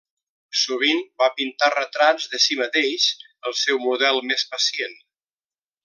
Sovint va pintar retrats de si mateix, el seu model més pacient.